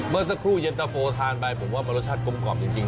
เมื่อสักครู่เย็นตะโฟทานไปผมว่ามันรสชาติกลมกล่อมจริง